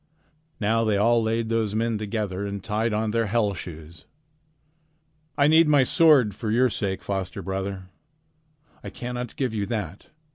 Now they laid all those men together and tied on their hell shoes. "I need my sword for your sake, foster brother. I cannot give you that.